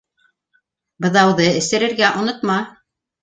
Быҙауҙы эсерергә онотма.